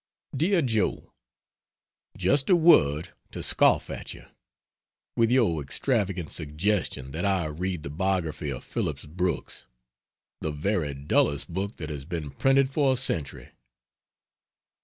DEAR JOE, Just a word, to scoff at you, with your extravagant suggestion that I read the biography of Phillips Brooks the very dullest book that has been printed for a century.